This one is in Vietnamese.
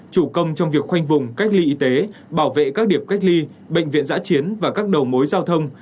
chủ công trong việc khoanh vùng cách ly y tế bảo vệ các điểm cách ly bệnh viện giã chiến và các đầu mối giao thông